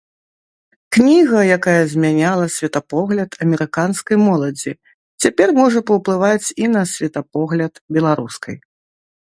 Кніга, якая змяняла светапогляд амерыканскай моладзі, цяпер можа паўплываць і на светапогляд беларускай.